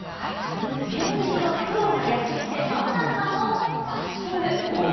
天敵のフクロウがやって来てまさかのバッティング。